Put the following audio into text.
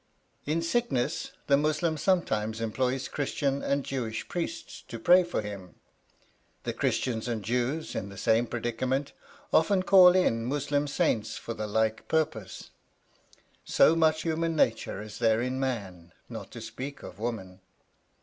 "In sickness, the Muslim sometimes employs Christian and Jewish priests to pray for him: the Christians and Jews, in the same predicament, often call in Muslim saints for the like purpose!" So much human nature is there in man, not to speak of woman.